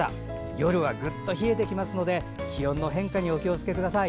夜はぐっと冷えてきますので気温の変化にお気をつけください。